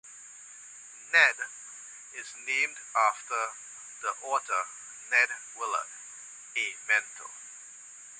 "Nedd" is named after the author Nedd Willard, a mentor.